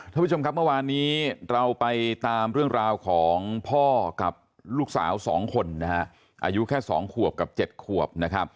ท่านผู้ชมครับเมื่อวานนี้เราไปตามเรื่องราวของพ่อกับลูกสาว๒คนอายุแค่๒ขวบกับ๗ขวบนะครับ